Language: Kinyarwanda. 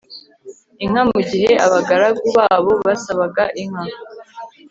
inka mu gihe abagaragu babo basabaga inka